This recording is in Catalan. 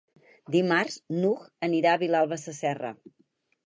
Dimarts n'Hug anirà a Vilalba Sasserra.